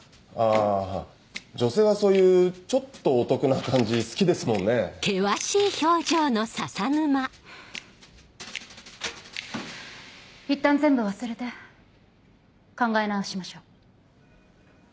あ女性はそういうちょっとお得な感じ好きですもんね。いったん全部忘れて考え直しましょう。